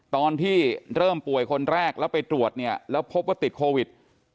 ตอนที่เริ่มป่วยคนแรกแล้วไปตรวจเนี่ยแล้วพบว่าติดโควิด